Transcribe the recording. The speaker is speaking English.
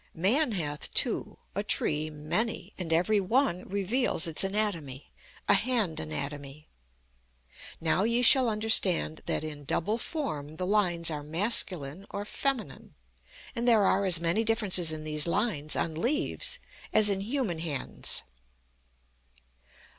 Man hath two; a tree many, and every one reveals its anatomy a hand anatomy. Now ye shall understand that in double form the lines are masculine or feminine. And there are as many differences in these lines on leaves as in human hands."